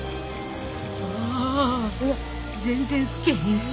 あああ全然透けへんし。